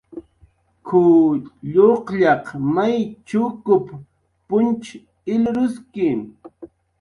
"K""uw lluqllaq may chukup punch ilruski"